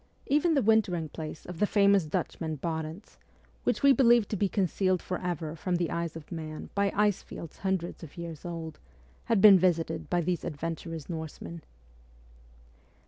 Even the wintering place of the famous Dutchman Barentz, which we believed to be concealed for ever from the eyes of man by ice fields hundreds of years old, had been visited by these adventurous Norsemen.